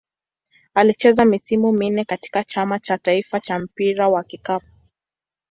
Alicheza misimu minne katika Chama cha taifa cha mpira wa kikapu.